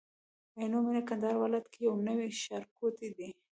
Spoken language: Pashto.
عينو مينه کندهار ولايت کي يو نوي ښارګوټي دي